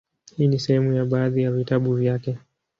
Hii ni sehemu ya baadhi ya vitabu vyake;